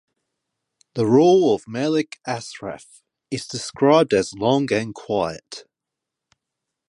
The rule of Melik Ashraf is described as "long and quiet".